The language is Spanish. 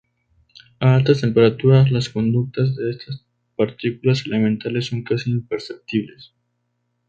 A altas temperaturas, las conductas de estas partículas elementales son casi imperceptibles.